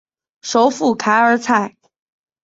首府凯尔采。